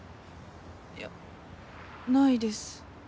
いやないです。